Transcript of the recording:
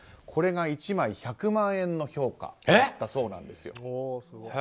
これが１枚１００万円の評価だったそうなんです。